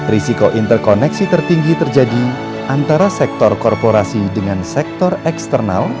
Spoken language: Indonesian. risiko interkoneksi tertinggi terjadi antara sektor korporasi dengan sektor eksternal